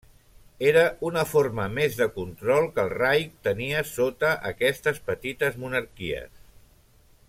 Era una forma més de control que el Reich tenia sota aquestes petites monarquies.